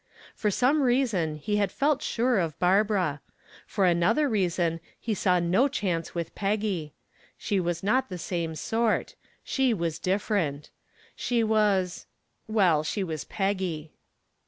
For some reason he had felt sure of Barbara; for another reason he saw no chance with Peggy. She was not the same sort she was different. She was well, she was Peggy.